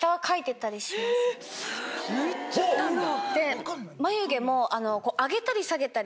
抜いちゃったんだ。